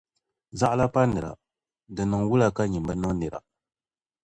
Zaɣila pa nira, di niŋ wula ka nyini bi niŋ nira?